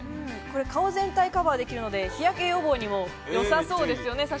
顔全体をカバーできるので、日焼け予防にもよさそうですね。